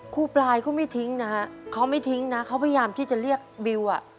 ครูปลายก็ไม่ทิ้งนะเขาไม่ทิ้งนะเขาพยายามที่จะเรียกบิว